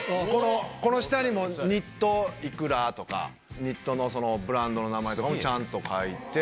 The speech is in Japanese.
この下にもニットいくらとかニットのブランドの名前とかもちゃんと書いて。